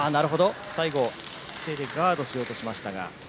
最後、手でガードしようとしましたが。